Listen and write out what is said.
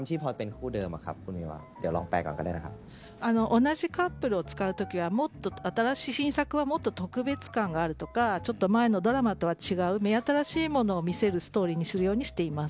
同じカップルを使う時は新作はもっと特別感があるとかちょっと前のドラマとは違う目新しいものを見せるストーリーにしています。